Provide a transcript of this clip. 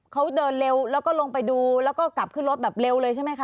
เขาเดินเร็วแล้วก็ลงไปดูแล้วก็กลับขึ้นรถแบบเร็วเลยใช่ไหมคะ